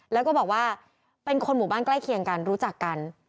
แล้วก็บอกว่าเป็นคนหมู่บ้านใกล้เคียงกันรู้จักกัน